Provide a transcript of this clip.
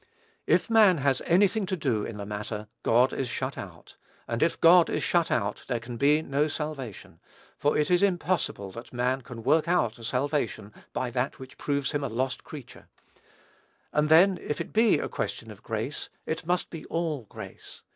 If man has any thing to do in the matter, God is shut out; and if God is shut out, there can be no salvation, for it is impossible that man can work out a salvation by that which proves him a lost creature; and then if it be a question of grace, it must be all grace.